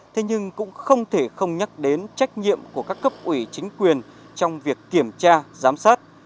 thế nhưng cũng không thể không nhắc đến trách nhiệm của các cấp ủy chính quyền trong việc kiểm tra giám sát